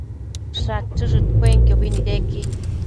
Shachëshëdcuenobi nidequi